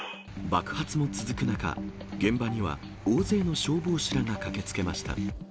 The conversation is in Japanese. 爆発も続く中、現場には大勢の消防士らが駆けつけました。